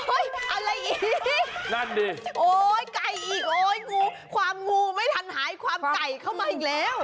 อะไรอีกนั่นดิโอ๊ยไก่อีกโอ๊ยงูความงูไม่ทันหายความไก่เข้ามาอีกแล้ว